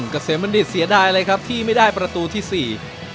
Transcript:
กระเสมมันดิดเสียดายเลยครับที่ไม่ได้ประตูที่๔